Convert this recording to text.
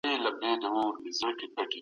ایا نوي کروندګر وچ زردالو اخلي؟